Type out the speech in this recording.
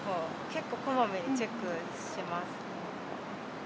結構、こまめにチェックします。